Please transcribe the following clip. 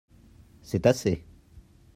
c'est assez.